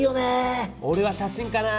おれは写真かな。